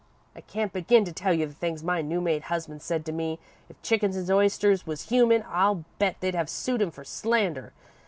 "I can't begin to tell you the things my new made husband said to me. If chickens an' oysters was human, I'll bet they'd have sued him for slander.